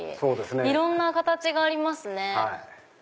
いろんな形がありますね。